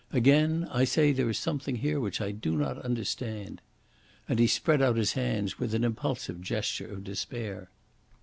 Again I say there is something here which I do not understand." And he spread out his hands with an impulsive gesture of despair.